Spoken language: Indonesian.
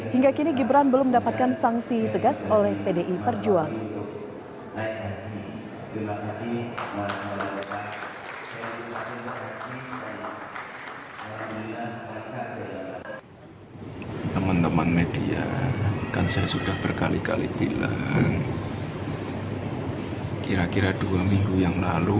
hingga kini gibran belum mendapatkan sanksi tegas oleh pdi perjuangan